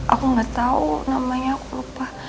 aku gak tahu namanya aku lupa